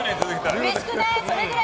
うれしくない？